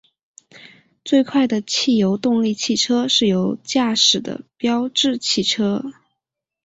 最快的汽油动力汽车是由驾驶的标致汽车。